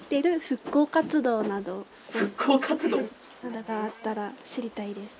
復興活動！などがあったら知りたいです。